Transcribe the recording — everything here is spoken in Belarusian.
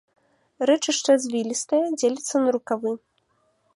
Рэчышча звілістае, дзеліцца на рукавы.